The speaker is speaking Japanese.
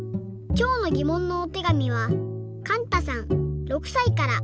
きょうのぎもんのおてがみはかんたさん６さいから。